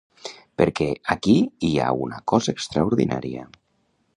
Per què, aquí hi ha una cosa extraordinària!